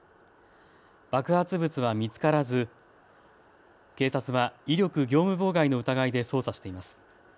爆発物は見つからず警察は威力業務妨害の疑いで捜査しています。